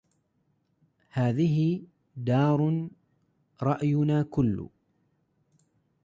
هذه دار رأينا كل